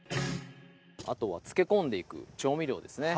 あとは漬け込んでいく調味料ですね